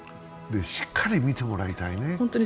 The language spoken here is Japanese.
しっかり見てもらいたいね。